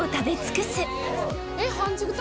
えっ半熟卵？